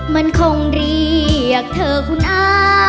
มันคงเรียกเธอคุณอา